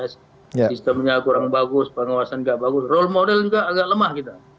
sistemnya kurang bagus pengawasan nggak bagus role model juga agak lemah kita